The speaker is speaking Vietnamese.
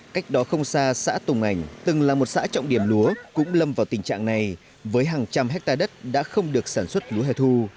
cách đó không xa xã tùng ảnh từng là một xã trọng điểm lúa cũng lâm vào tình trạng này với hàng trăm hectare đất đã không được sản xuất lúa hẻ thu